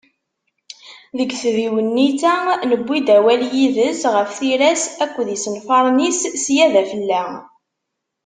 Deg tdiwennit-a, newwi-d awal yid-s ɣef tira-s akked yisenfaren-is sya d afella.